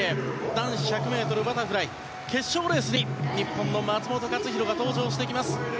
男子１００ｍバタフライ決勝レースに日本の松元克央が登場してきます。